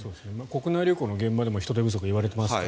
国内旅行の現場でも人手不足がいわれていますが。